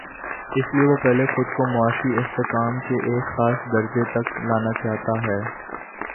اس لیے وہ پہلے خود کو معاشی استحکام کے ایک خاص درجے تک لا نا چاہتا ہے۔